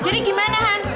jadi gimana han